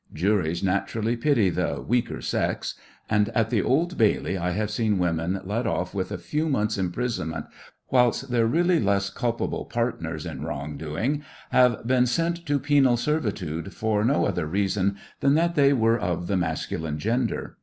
Juries naturally pity the "weaker sex," and at the Old Bailey I have seen women let off with a few months' imprisonment whilst their really less culpable partners in wrongdoing have been sent to penal servitude for no other reason than that they were of the masculine gender.